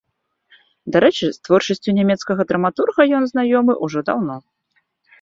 Дарэчы, з творчасцю нямецкага драматурга ён знаёмы ўжо даўно.